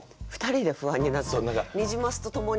ニジマスとともに？